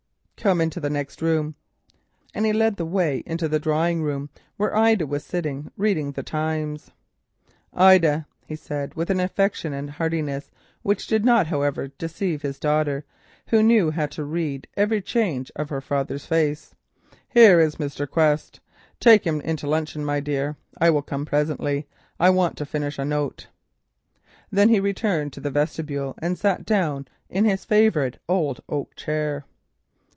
"Come into the next room," and he led the way to the drawing room, where Ida was sitting reading the Times. "Ida," he said, with an affectation of heartiness which did not, however, deceive his daughter, who knew how to read every change of her dear father's face, "here is Mr. Quest. Take him in to luncheon, my love. I will come presently. I want to finish a note." Then he returned to the vestibule and sat down in his favourite old oak chair.